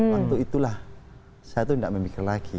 waktu itulah saya itu tidak memikir lagi